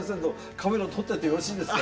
カメラ撮っててよろしいですか？